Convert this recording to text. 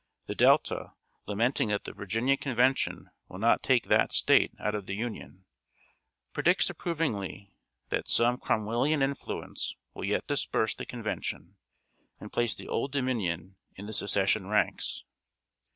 The Delta, lamenting that the Virginia Convention will not take that State out of the Union, predicts approvingly that "some Cromwellian influence will yet disperse the Convention, and place the Old Dominion in the Secession ranks."